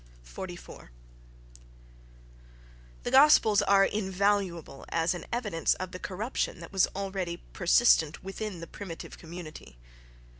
44. —The gospels are invaluable as evidence of the corruption that was already persistent within the primitive community.